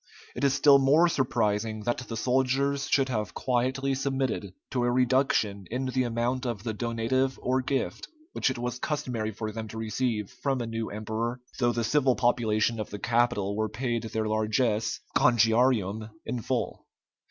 It is still more surprising that the soldiers should have quietly submitted to a reduction in the amount of the donative or gift which it was customary for them to receive from a new emperor, though the civil population of the capital were paid their largess (congiarium) in full.